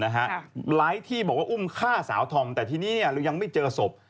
หลายที่บอกว่าอุ้มฆ่าสาวธอมแต่ทีนี้เรายังไม่เจอศพ